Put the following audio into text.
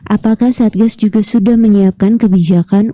apakah satgas juga sudah menyiapkan kebijakan